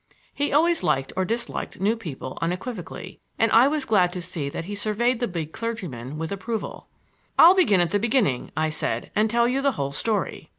He always liked or disliked new people unequivocally, and I was glad to see that he surveyed the big clergyman with approval. "I'll begin at the beginning," I said, "and tell you the whole story."